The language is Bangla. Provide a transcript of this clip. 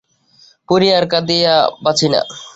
পড়িয়া আর কাঁদিয়া বাঁচি না।